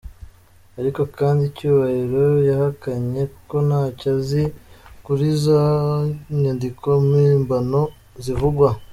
Ariko kandi, Cyubahiro yahakanye ko ntacyo azi kuri zo nyandiko mpimbano zivugwa.